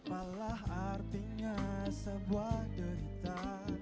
alah artinya sebuah derita